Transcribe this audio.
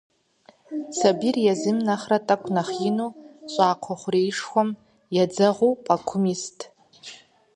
Сэбийр езым нэхърэ тӏукӏэ нэхъ ину щӏакхъуэ хъурейшхуэм едзэгъуу пӏэкум ист.